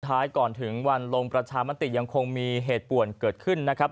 ท้ายก่อนถึงวันลงประชามติยังคงมีเหตุป่วนเกิดขึ้นนะครับ